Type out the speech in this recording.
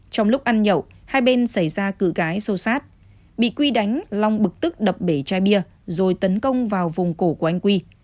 trong lúc ăn nhậu hai bên xảy ra cự gái xô xát bị quy đánh long bực tức đập bể chai bia rồi tấn công vào vùng cổ của anh quy